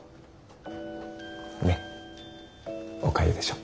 ねっおかゆでしょ？